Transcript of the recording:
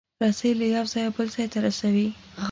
رسۍ له یو ځایه بل ځای ته رسوي.